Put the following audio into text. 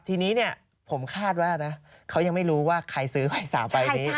ทีนี้เนี่ยผมคาดว่านะเขายังไม่รู้ว่าใครซื้อสาวใบนี้